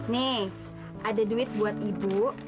nih ada duit buat ibu